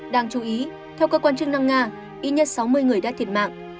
đáng chú ý theo cơ quan chức năng nga ít nhất sáu mươi người đã thiệt mạng